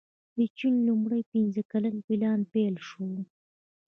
د چین لومړی پنځه کلن پلان پیل شو.